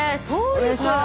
お願いします。